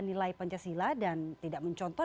nilai pancasila dan tidak mencontoh